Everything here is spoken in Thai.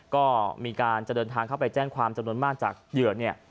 ก็มีการจะเดินทางเข้าไปแจ้งความจำนวนมากจากเหยื่อเนี่ย